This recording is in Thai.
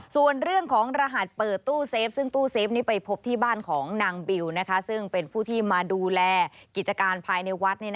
ส่วนเรื่องของรหัสเปิดตู้เซฟซึ่งตู้เซฟนี้ไปพบที่บ้านของนางบิวซึ่งเป็นผู้ที่มาดูแลกิจการภายในวัด